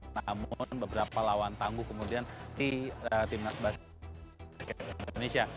namun beberapa lawan tangguh kemudian di timnas basket indonesia